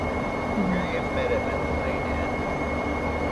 Miriam met him at the lane-end.